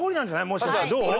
もしかしてどう？